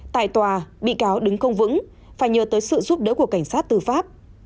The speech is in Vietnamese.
tại tòa bị cáo đứng không vững phải nhờ tới sự giúp đỡ của cảnh sát tư pháp